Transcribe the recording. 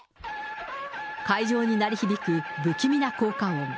会場に鳴り響く不気味な効果音。